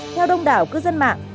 theo đông đảo cư dân mạng